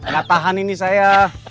gak tahan ini saya